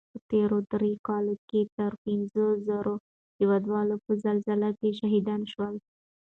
په تېرو دریو کلو کې تر پنځو زرو هېوادوال په زلزله کې شهیدان شول